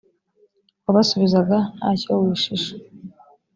wabasubizaga nta cyo wishisha